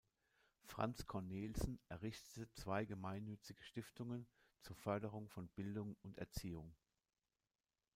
Franz Cornelsen errichtete zwei gemeinnützige Stiftungen zur Förderung von Bildung und Erziehung.